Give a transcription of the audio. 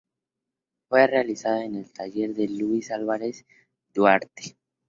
Fue realizado en el taller de Luis Álvarez Duarte.